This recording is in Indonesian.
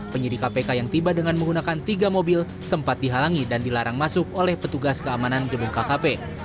penyidik kpk yang tiba dengan menggunakan tiga mobil sempat dihalangi dan dilarang masuk oleh petugas keamanan gedung kkp